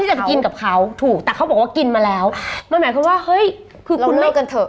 ถ้าที่จะไปกินกับเขาถูกแต่เขาบอกว่ากินมาแล้วหมายหมายความว่าเราเลือกกันเถอะ